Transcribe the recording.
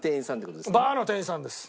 バーの店員さんです。